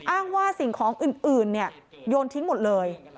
อ้างว่าสิ่งของอื่นโยนทิ้งหมดเลย